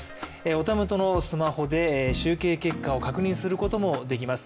お手元のスマホで集計結果を確認することもできます